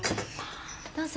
どうぞ。